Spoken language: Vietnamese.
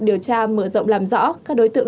điều tra mở rộng làm rõ các đối tượng